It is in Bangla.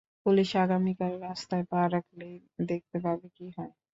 পুলিশ আগামীকাল রাস্তায় পা রাখলেই দেখতে পাবে কি হয়।